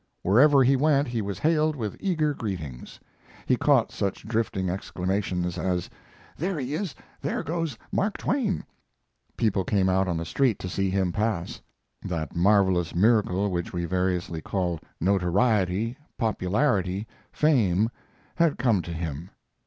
Wherever he went, he was hailed with eager greetings. He caught such drifting exclamations as, "There he is! There goes Mark Twain!" People came out on the street to see him pass. That marvelous miracle which we variously call "notoriety," "popularity," "fame," had come to him.